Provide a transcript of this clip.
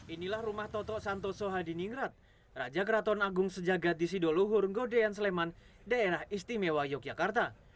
inilah rumah toto santoso hadiningrat raja keraton agung sejagat di sidoluhur godean sleman daerah istimewa yogyakarta